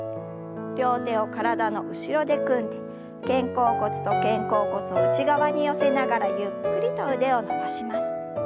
両手を体の後ろで組んで肩甲骨と肩甲骨を内側に寄せながらゆっくりと腕を伸ばします。